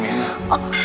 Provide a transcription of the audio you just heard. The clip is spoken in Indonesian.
sebenarnya om enak